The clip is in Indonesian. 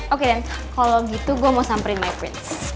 oke dan kalo gitu gue mau samperin my friends